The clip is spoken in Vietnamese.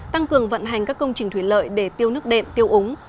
tăng cường vận hành các công trình thủy lợi để tiêu nước đệm tiêu úng